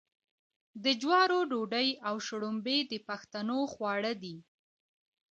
د جوارو ډوډۍ او شړومبې د پښتنو خواړه دي.